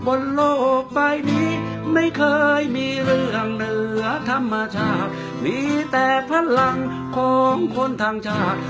บนโลกใบนี้ไม่เคยมีเรื่องเหนือธรรมชาติมีแต่พลังของคนทางชาติ